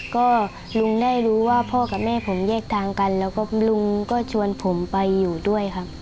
ก็ลุงได้รู้ว่าพ่อกับแม่ผมแยกทางกันแล้วก็ลุงก็ชวนผมไปอยู่ด้วยครับ